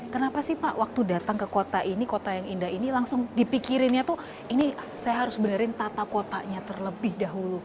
kenapa sih pak waktu datang ke kota ini kota yang indah ini langsung dipikirinnya tuh ini saya harus benerin tata kotanya terlebih dahulu